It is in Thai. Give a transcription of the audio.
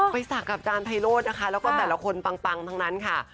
ไปสักกับจานไพโลดนะคะแล้วก็แต่ละคนปังทั้งนั้นค่ะ